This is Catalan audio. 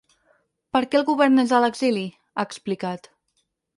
Per què el govern és a l’exili?, ha explicat.